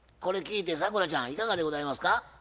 これ聞いて咲楽ちゃんいかがでございますか？